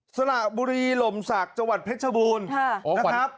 สระบุรีหล่มศักดิ์จังหวัดเพชรบูรณ์นะครับ